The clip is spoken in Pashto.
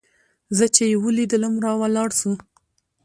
زه چې يې وليدلم راولاړ سو.